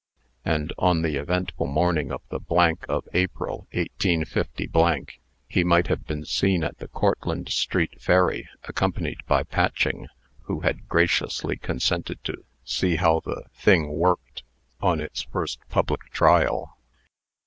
And, on the eventful morning of the of April, 185 , he might have been seen at the Cortlandt street ferry, accompanied by Patching, who had graciously consented to see how the "thing worked" on its first public trial.